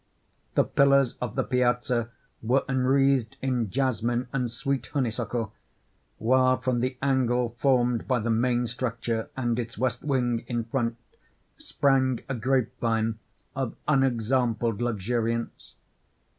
The pillars of the piazza were enwreathed in jasmine and sweet honeysuckle; while from the angle formed by the main structure and its west wing, in front, sprang a grape vine of unexampled luxuriance.